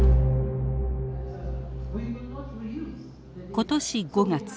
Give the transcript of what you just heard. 今年５月。